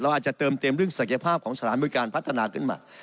อาจจะเติมเต็มเรื่องศักยภาพของสถานบริการพัฒนาขึ้นมา